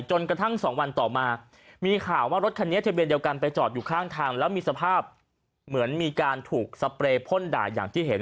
จนกระทั่ง๒วันต่อมามีข่าวว่ารถคันนี้ทะเบียนเดียวกันไปจอดอยู่ข้างทางแล้วมีสภาพเหมือนมีการถูกสเปรย์พ่นด่าอย่างที่เห็น